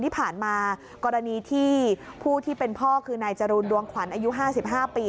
ที่ผ่านมากรณีที่ผู้ที่เป็นพ่อคือนายจรูนดวงขวัญอายุ๕๕ปี